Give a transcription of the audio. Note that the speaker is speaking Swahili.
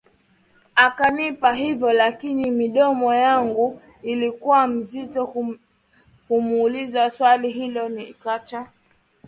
akanipa hivyo lakini midomo yangu ilikuwa mizito kumuuliza swali hilo Nikaacha